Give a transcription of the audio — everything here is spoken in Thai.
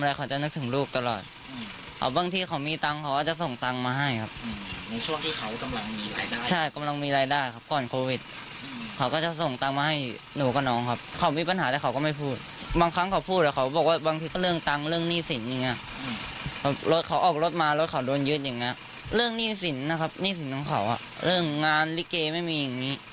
เรื่องงานลิเกไม่มีอย่างนี้